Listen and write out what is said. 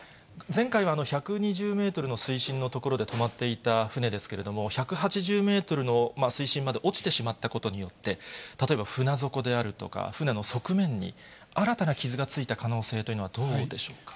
前回は１２０メートルの水深の所でとまっていた船ですけれども、１８０メートルの水深まで落ちてしまったことによって、例えば、船底であるとか、船の側面に新たな傷がついた可能性というのはどうでしょうか？